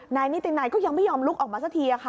นายนิตินัยก็ยังไม่ยอมลุกออกมาสักทีค่ะ